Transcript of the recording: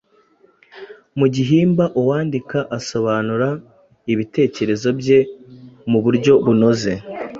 Mu gihimba uwandika asobanura ibitekerezo bye mu buryo bunoze